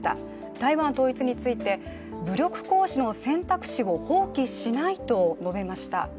台湾統一について武力行使の選択肢を放棄しないと述べました。